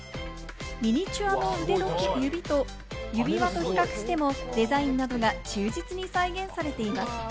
ミニチュアの指輪と比較しても、デザインなどが忠実に再現されています。